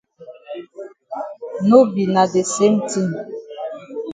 No be na de same tin.